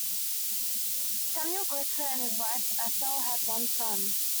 Samuel Greitzer and his wife Ethel had one son.